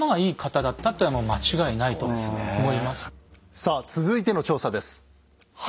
さあ続いての調査です。